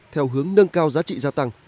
theo hướng nâng cao giá trị gia tăng